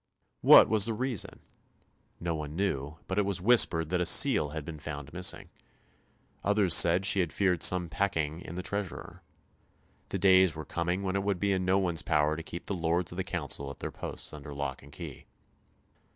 What was the reason? No one knew, but it was whispered that a seal had been found missing. Others said that she had feared some packinge in the Treasurer. The days were coming when it would be in no one's power to keep the Lords of the Council at their post under lock and key.